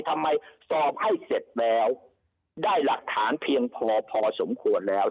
ทำไมสอบให้เสร็จแล้วได้หลักฐานเพียงพอพอสมควรแล้ว